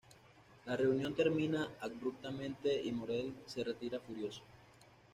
La reunión termina abruptamente y Morel se retira furioso.